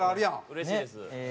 うれしいです。